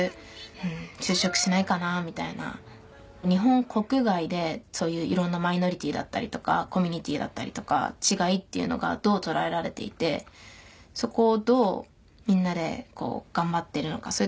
日本国外でそういういろんなマイノリティーだったりとかコミュニティーだったりとか違いっていうのがどう捉えられていてそこをどうみんなで頑張ってるのか。